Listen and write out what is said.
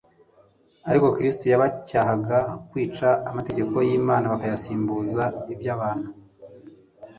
Ariko Kristo yabacyahaga kwica amategeko y'Imana bakayasimbuza ay'abantu.